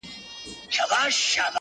دا زموږ جونګړه بورجل مه ورانوی-